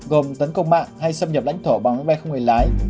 gồm tấn công mạng hay xâm nhập lãnh thổ bằng máy bay không người lái